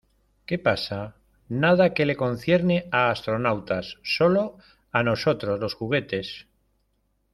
¿ Qué pasa? Nada que le concierne a astronautas ; sólo a nosotros los juguetes.